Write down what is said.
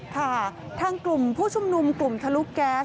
ค่ะทางกลุ่มผู้ชุมนุมกลุ่มทะลุแก๊ส